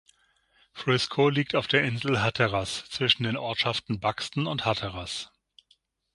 Frisco liegt auf der Insel Hatteras zwischen den Ortschaften Buxton und Hatteras.